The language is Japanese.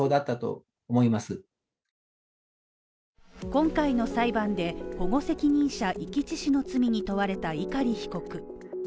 今回の裁判で保護責任者遺棄致死の罪に問われた碇被告。